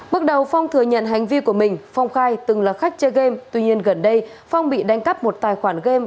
bước đầu phong thừa nhận hành vi của mình phong khai từng là khách chơi game tuy nhiên gần đây phong bị đánh cắp một tài khoản game